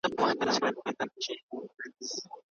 سږکال د اوبو د کمښت له امله ډېرو خلکو تخمونه ونه کرل.